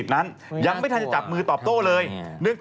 ใช่คนละคนแล้ว